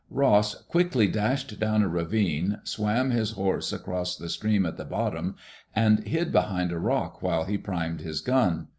Ross quickly dashed down a ravine, swam his horse across the stream at the bottom, and hid behind a rock while he primed his gun.